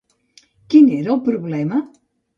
Quin era el problema?